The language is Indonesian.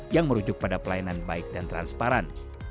yang merujuk pada pelayanan baik dan transparan